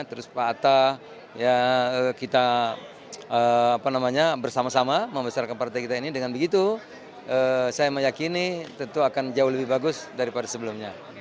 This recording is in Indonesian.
terus pak atta kita bersama sama membesarkan partai kita ini dengan begitu saya meyakini tentu akan jauh lebih bagus daripada sebelumnya